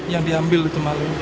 yang diambil itu malah